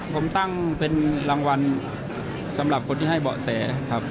ผมตั้งเป็นรางวัลสำหรับคนที่ให้เบาะแสครับ